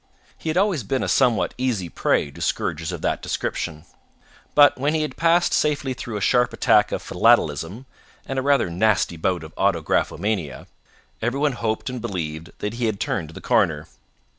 He had always been a somewhat easy prey to scourges of that description. But when he had passed safely through a sharp attack of Philatelism and a rather nasty bout of Autographomania, everyone hoped and believed that he had turned the corner.